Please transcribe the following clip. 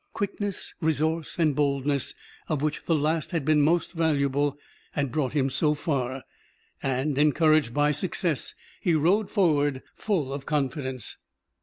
Quickness, resource and boldness, of which the last had been most valuable, had brought him so far, and, encouraged by success, he rode forward full of confidence.